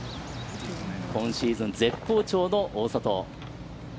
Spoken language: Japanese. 今シーズン、絶好調の大里。